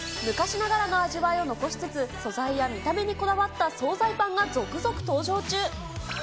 昔ながらの味わいを残しつつ、素材や見た目にこだわった総菜パンが続々登場中。